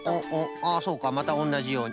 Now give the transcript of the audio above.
ああそうかまたおんなじように。